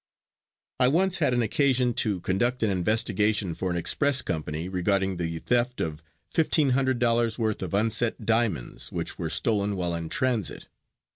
I once had occasion to conduct an investigation for an express company regarding the theft of $1,500.00 worth of unset diamonds, which were stolen while in transit.